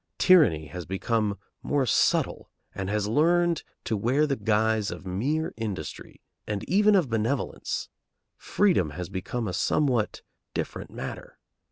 Tyranny has become more subtle, and has learned to wear the guise of mere industry, and even of benevolence. Freedom has become a somewhat different matter.